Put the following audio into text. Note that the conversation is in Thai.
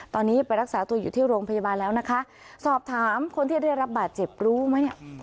ตอนนี้ไปรักษาตัวอยู่ที่โรงพยาบาลแล้วนะคะสอบถามคนที่ได้รับบาดเจ็บรู้ไหมเนี่ย